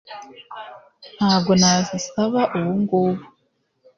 ntabwo nabisaba ubungubu